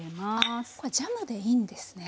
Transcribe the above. これジャムでいいんですね。